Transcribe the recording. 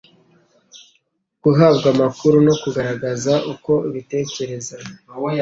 guhabwa amakuru no kugaragaza uko ubitekereza